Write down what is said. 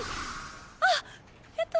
あっえっと